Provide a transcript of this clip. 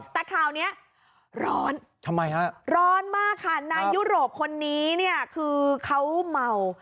แต่ข่าวนี้ร้อนทำไมฮะร้อนมากค่ะนายยุโรปคนนี้เนี่ยคือเขาเมา